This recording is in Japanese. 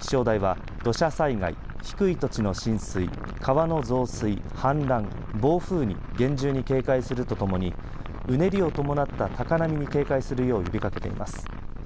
気象台は土砂災害低い土地の浸水川の増水、氾濫、暴風に厳重に警戒するとともにうねりを伴った高波に警戒するよう呼びかけています。